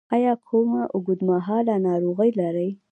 ایا کومه اوږدمهاله ناروغي لرئ؟